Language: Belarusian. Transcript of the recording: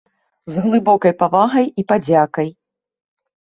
З глыбокай павагай і падзякай.